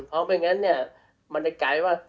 เพราะไม่งั้นมันกลายว่า